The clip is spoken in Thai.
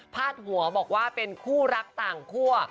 หัวบอกว่าเป็นคู่รักต่างคั่ว